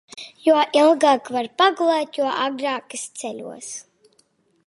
Jo ilgāk var pagulēt, jo agrāk es ceļos.